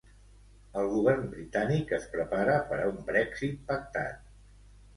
El govern britànic es prepara per a un Brexit pactat.